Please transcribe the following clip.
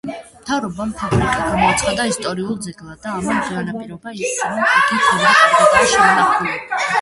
მთავრობამ ფაბრიკა გამოაცხადა ისტორიულ ძეგლად და ამან განაპირობა ის, რომ იგი დღემდე კარგადაა შემონახული.